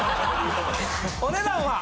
お値段は？